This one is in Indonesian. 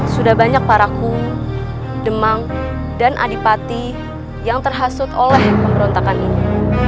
sudah banyak paraku demam dan adipati yang terhasut oleh pemberontakan ini